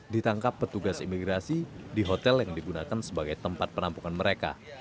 ditangkap petugas imigrasi di hotel yang digunakan sebagai tempat penampungan mereka